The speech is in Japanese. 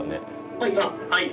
「はい。